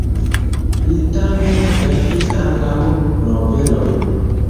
Li tamen verkis ankaŭ novelojn.